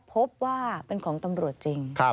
พบว่าเป็นของตำรวจจริง